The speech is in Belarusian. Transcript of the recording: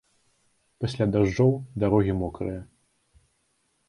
Пасля дажджоў дарогі мокрыя.